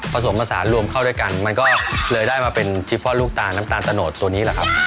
สมผสานรวมเข้าด้วยกันมันก็เลยได้มาเป็นจิฟฟอลลูกตาลน้ำตาลตะโนดตัวนี้แหละครับ